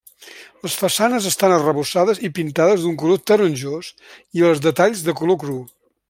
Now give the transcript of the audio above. Les façanes estan arrebossades i pintades d'un color taronjós i els detalls de color cru.